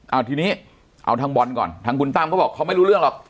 เอาทีนี้เอาทางบอลก่อนทางคุณตั้มเขาบอกเขาไม่รู้เรื่องหรอก